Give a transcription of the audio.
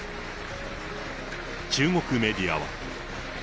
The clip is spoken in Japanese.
中国メディアは。